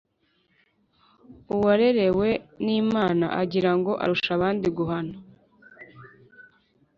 Uwarerewe n’Imana agira ngo arusha abandi guhana.